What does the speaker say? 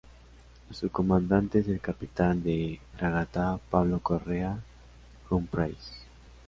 Su comandante es el Capitán de Fragata Pablo Correa Humphreys.